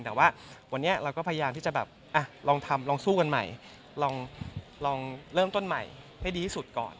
แต่ว่าวันนี้เราก็พยายามที่จะแบบลองทำลองสู้กันใหม่ลองเริ่มต้นใหม่ให้ดีที่สุดก่อน